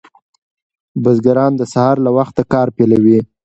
بزګران د سهار له وخته کار پیلوي.